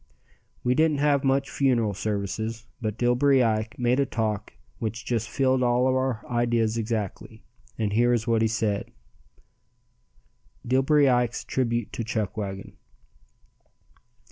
We didn't have much funeral services, but Dillbery Ike made a talk which just filled all our ideas exactly, and here is what he said: DILLBERY IKE'S TRIBUTE TO CHUCKWAGON.